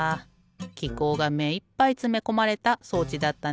きこうがめいっぱいつめこまれた装置だったね。